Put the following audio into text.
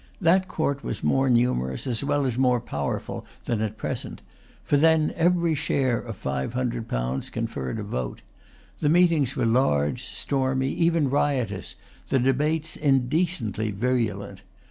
That Court was more numerous, as well as more powerful, than at present; for then every share of five hundred pounds conferred a vote. The meetings were large, stormy, even riotous, the debates indecently virulent.